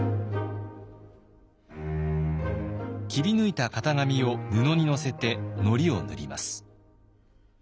切り抜いた型紙を布に載せてのりを塗ります。